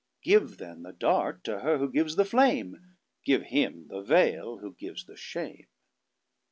Give then the dart to her who gives the flame; Give him the veil, who gives the shame.